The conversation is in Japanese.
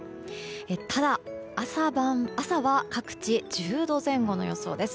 ただ、朝は各地１０度前後の予想です。